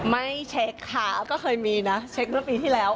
ไม่เช็คค่ะก็เคยมีนะเช็คเมื่อปีที่แล้ว